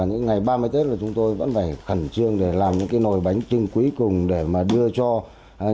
hệ thống này sẽ mang lại hiệu quả lớn